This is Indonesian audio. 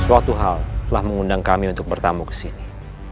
suatu hal telah mengundang kami untuk bertamu kesini